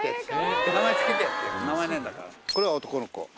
これは男の子。